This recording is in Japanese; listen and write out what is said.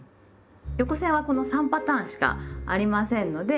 横線はこの３パターンしかありませんので。